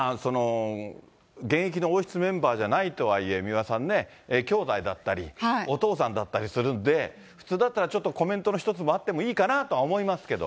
現役の王室メンバーではないとはいえ、三輪さんね、兄弟だったり、お父さんだったりするんで、普通だったら、コメントの一つもあってもいいかなとは思いますけど。